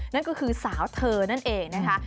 นั่นก็คือสาวเธอนั่นเองนะคะ